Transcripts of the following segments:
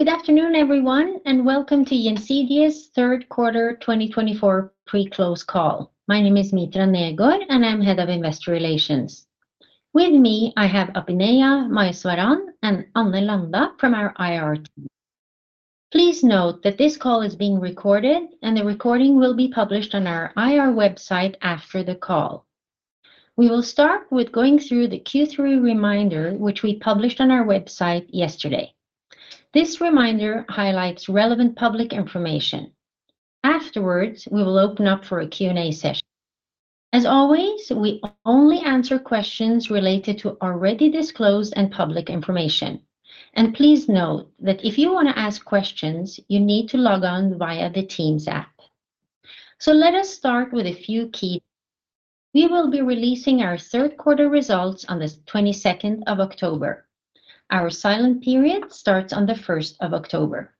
Good afternoon, everyone, and welcome to Gjensidige's Third Quarter 2024 pre-close call. My name is Mitra Negård, and I'm Head of Investor Relations. With me, I have Abhinaya Maheswaran and Anne Landa from our IR team. Please note that this call is being recorded, and the recording will be published on our IR website after the call. We will start with going through the Q3 reminder, which we published on our website yesterday. This reminder highlights relevant public information. Afterwards, we will open up for a Q&A session. As always, we only answer questions related to already disclosed and public information. And please note that if you want to ask questions, you need to log on via the Teams app. So let us start with a few key. We will be releasing our third quarter results on the 22nd of October. Our silent period starts on the 1st of October.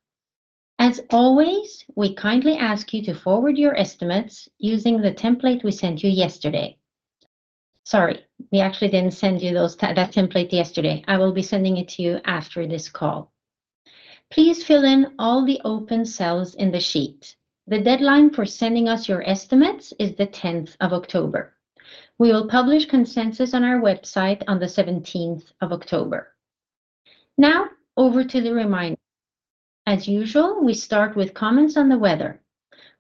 As always, we kindly ask you to forward your estimates using the template we sent you yesterday. Sorry, we actually didn't send you those, that template yesterday. I will be sending it to you after this call. Please fill in all the open cells in the sheet. The deadline for sending us your estimates is the 10th of October. We will publish consensus on our website on the 17th of October. Now, over to the reminder. As usual, we start with comments on the weather.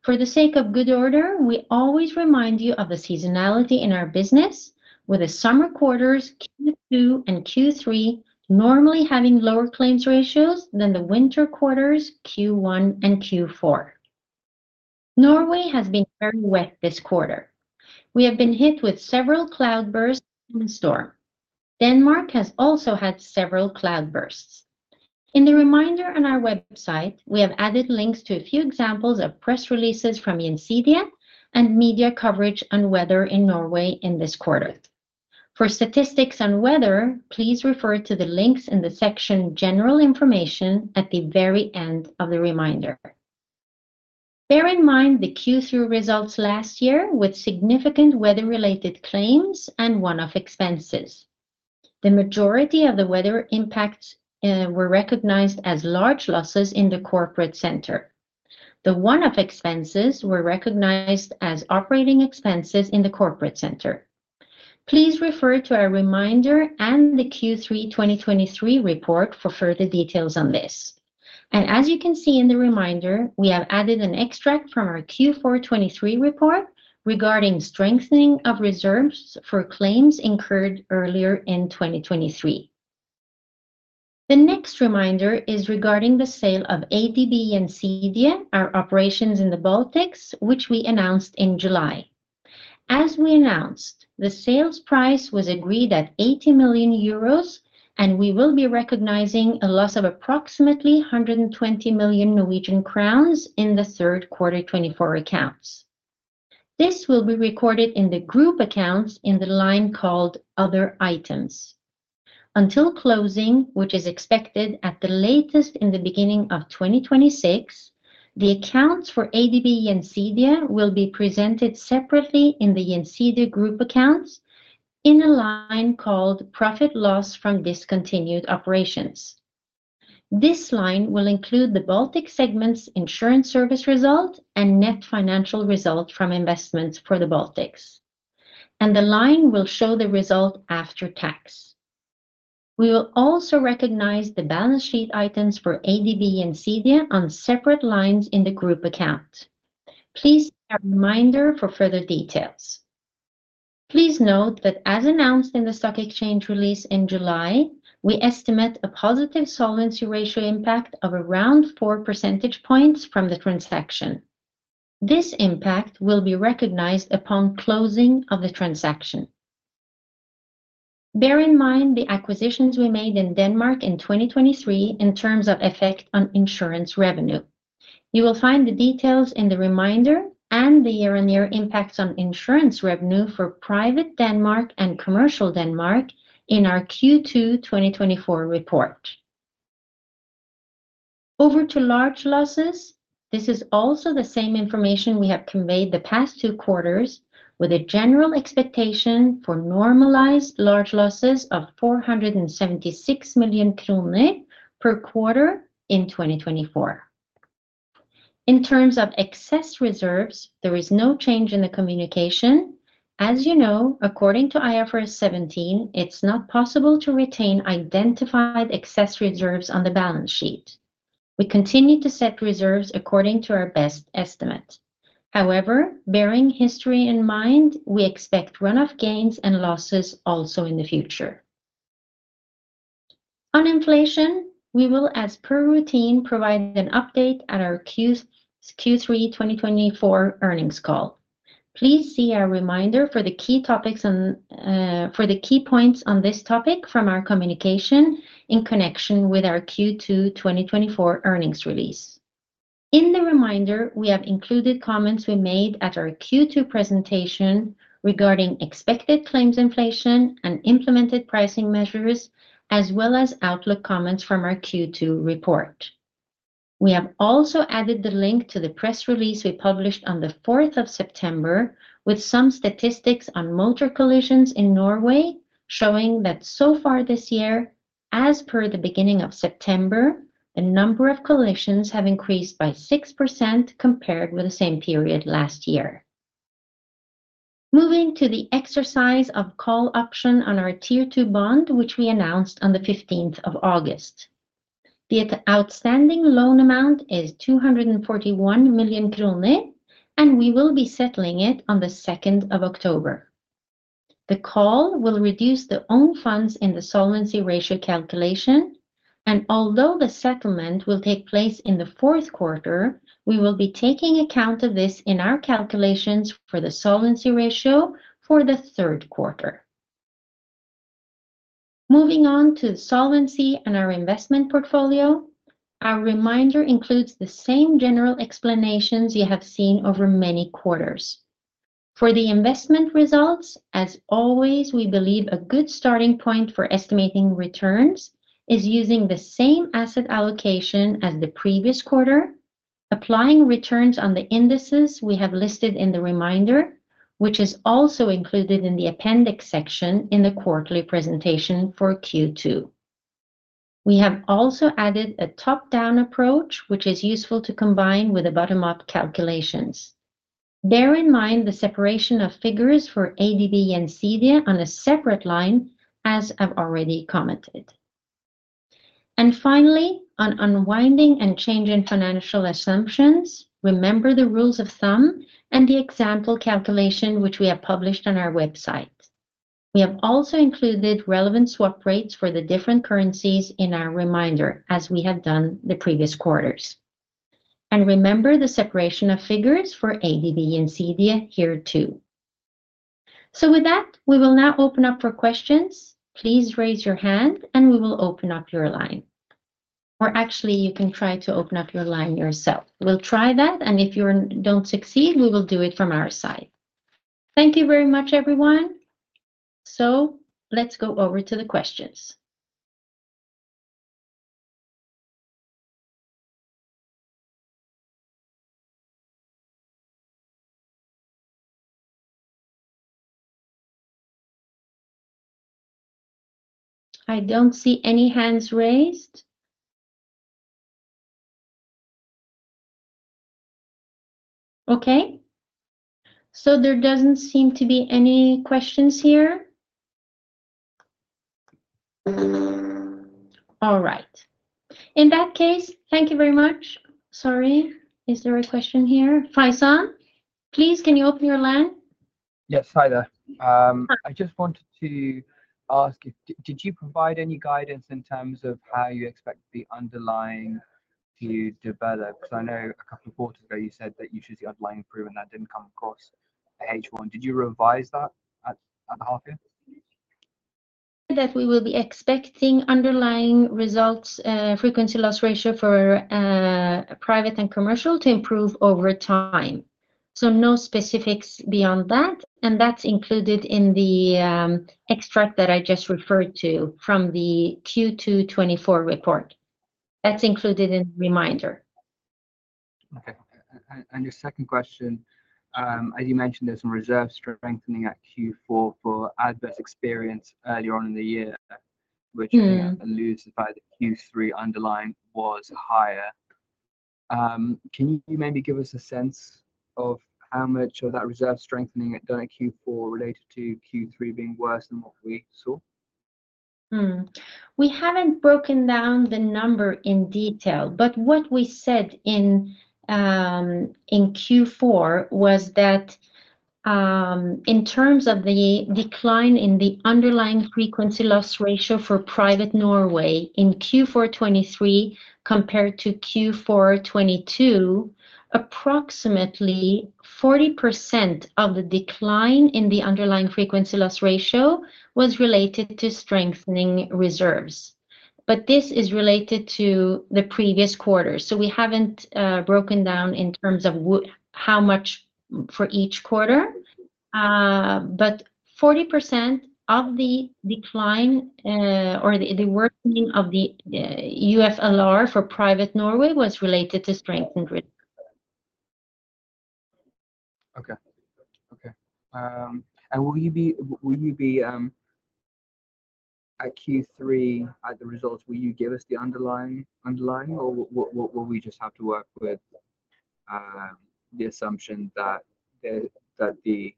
For the sake of good order, we always remind you of the seasonality in our business, with the summer quarters, Q2 and Q3, normally having lower claims ratios than the winter quarters, Q1 and Q4. Norway has been very wet this quarter. We have been hit with several cloudbursts in the storm. Denmark has also had several cloudbursts. In the reminder on our website, we have added links to a few examples of press releases from Gjensidige and media coverage on weather in Norway in this quarter. For statistics on weather, please refer to the links in the section General Information at the very end of the reminder. Bear in mind, the Q3 results last year with significant weather-related claims and one-off expenses. The majority of the weather impacts were recognized as large losses in the Corporate Center. The one-off expenses were recognized as operating expenses in the Corporate Center. Please refer to our reminder and the Q3 2023 report for further details on this. And as you can see in the reminder, we have added an extract from our Q4 2023 report regarding strengthening of reserves for claims incurred earlier in 2023. The next reminder is regarding the sale of ADB Gjensidige, our operations in the Baltics, which we announced in July. As we announced, the sales price was agreed at 80 million euros, and we will be recognizing a loss of approximately 120 million Norwegian crowns in the third quarter 2024 accounts. This will be recorded in the group accounts in the line called Other Items. Until closing, which is expected at the latest in the beginning of 2026, the accounts for ADB Gjensidige will be presented separately in the Gjensidige Group accounts in a line called Profit (Loss) from Discontinued Operations. This line will include the Baltic segment's insurance service result and net financial result from investments for the Baltics, and the line will show the result after tax. We will also recognize the balance sheet items for ADB Gjensidige on separate lines in the group account. Please see our reminder for further details. Please note that as announced in the stock exchange release in July, we estimate a positive solvency ratio impact of around four percentage points from the transaction. This impact will be recognized upon closing of the transaction. Bear in mind the acquisitions we made in Denmark in 2023 in terms of effect on insurance revenue. You will find the details in the reminder and the year-on-year impacts on insurance revenue for Private Denmark and Commercial Denmark in our Q2 2024 report. Over to large losses, this is also the same information we have conveyed the past two quarters, with a general expectation for normalized large losses of 476 million kroner per quarter in 2024. In terms of excess reserves, there is no change in the communication. As you know, according to IFRS 17, it's not possible to retain identified excess reserves on the balance sheet. We continue to set reserves according to our best estimate. However, bearing history in mind, we expect runoff gains and losses also in the future. On inflation, we will, as per routine, provide an update at our Q3 2024 earnings call. Please see our reminder for the key topics on for the key points on this topic from our communication in connection with our Q2 2024 earnings release. In the reminder, we have included comments we made at our Q2 presentation regarding expected claims inflation and implemented pricing measures, as well as outlook comments from our Q2 report. We have also added the link to the press release we published on the 4th of September, with some statistics on motor collisions in Norway, showing that so far this year, as per the beginning of September, the number of collisions have increased by 6% compared with the same period last year. Moving to the exercise of call option on our Tier 2 bond, which we announced on the 15th of August. The outstanding loan amount is 241 million krone, and we will be settling it on the 2nd of October. The call will reduce the own funds in the solvency ratio calculation, and although the settlement will take place in the fourth quarter, we will be taking account of this in our calculations for the solvency ratio for the third quarter. Moving on to the Solvency and our Investment portfolio, our reminder includes the same general explanations you have seen over many quarters. For the Investment results, as always, we believe a good starting point for estimating returns is using the same asset allocation as the previous quarter, applying returns on the indices we have listed in the reminder, which is also included in the Appendix section in the quarterly presentation for Q2. We have also added a top-down approach, which is useful to combine with the bottom-up calculations. Bear in mind the separation of figures for ADB Gjensidige on a separate line as I've already commented. And finally, on unwinding and changing financial assumptions, remember the rules of thumb and the example calculation we have published on our website. We have also included relevant swap rates for the different currencies in our reminder, as we have done the previous quarters, and remember the separation of figures for ADB Gjensidige here, too. So with that, we will now open up for questions. Please raise your hand and we will open up your line. Or actually, you can try to open up your line yourself. We'll try that, and if you don't succeed, we will do it from our side. Thank you very much, everyone. So let's go over to the questions. I don't see any hands raised. Okay, so there doesn't seem to be any questions here. All right. In that case, thank you very much. Sorry, is there a question here? Faizan, please, can you open your line? Yes. Hi there. I just wanted to ask, did you provide any guidance in terms of how you expect the underlying to develop? Because I know a couple of quarters ago, you said that you should see underlying improvement. That didn't come, of course, at H1. Did you revise that at the half year? That we will be expecting underlying frequency loss ratio for Private and Commercial to improve over time. So no specifics beyond that, and that's included in the extract that I just referred to from the Q2 2024 report. That's included in the reminder. Okay, and your second question, as you mentioned, there's some reserve strengthening at Q4 for adverse experience earlier on in the year- Mm-hmm. which alludes to the Q3 underlying was higher. Can you maybe give us a sense of how much of that reserve strengthening was done at Q4 related to Q3 being worse than what we saw? We haven't broken down the number in detail, but what we said in Q4 was that, in terms of the decline in the underlying frequency loss ratio for Private Norway in Q4 2023 compared to Q4 2022, approximately 40% of the decline in the underlying frequency loss ratio was related to strengthening reserves. But this is related to the previous quarter, so we haven't broken down in terms of how much for each quarter. But 40% of the decline, or the worsening of the UFLR for Private Norway was related to strengthened re- Okay. And will you be at Q3, at the results, will you give us the underlying, or will we just have to work with the assumption that the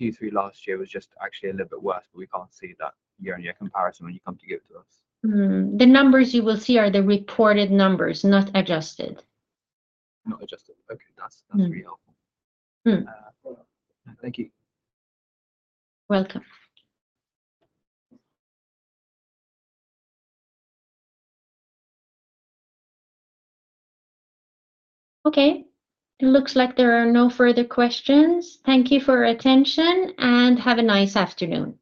Q3 last year was just actually a little bit worse, but we can't see that year-on-year comparison when you come to give it to us? Mm-hmm. The numbers you will see are the reported numbers, not adjusted. Not adjusted. Okay, that's, that's really helpful. Mm-hmm. Thank you. Welcome. Okay, it looks like there are no further questions. Thank you for your attention, and have a nice afternoon.